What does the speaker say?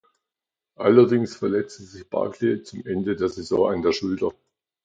Allerdings verletzte sich Barkley zum Ende der Saison an der Schulter.